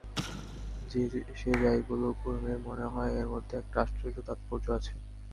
সে যাই বলুক ঊর্মির মনে হয় এর মধ্যে একটা আশ্চর্য তাৎপর্য আছে।